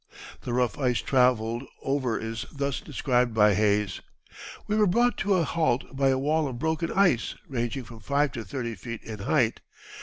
The rough ice travelled over is thus described by Hayes: "We were brought to a halt by a wall of broken ice ranging from five to thirty feet in height....